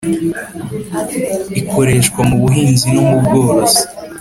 ikoreshwa mu buhinzi no mu bworozi .